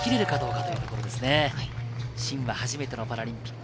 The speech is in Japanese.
シンは初めてのパラリンピック。